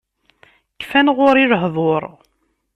Kfan ɣur-i lehdur.